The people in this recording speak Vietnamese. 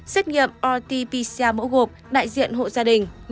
xét nghiệm rt pcr mẫu gộp đại diện hộ gia đình